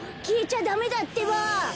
きえちゃダメだってば！